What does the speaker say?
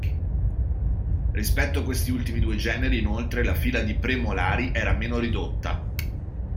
Rispetto a questi ultimi due generi, inoltre, la fila di premolari era meno ridotta.